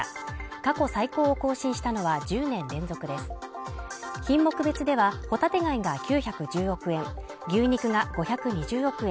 過去最高を更新したのは１０年連続です品目別では帆立て貝が９１０億円牛肉が５２０億円